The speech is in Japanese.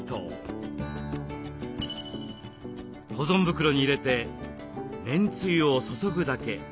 保存袋に入れてめんつゆを注ぐだけ。